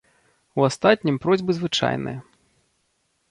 У астатнім просьбы звычайныя.